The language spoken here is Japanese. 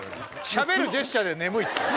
しゃべるジェスチャーで眠いっつってた。